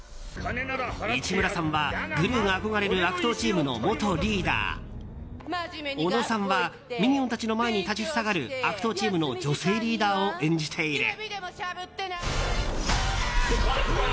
市村さんはグルーが憧れる悪党チームの元リーダー尾野さんはミニオンたちの前に立ち塞がる悪党チームの女性リーダーを演じている。